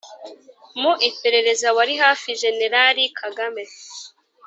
mu iperereza wari hafi jenerali kagame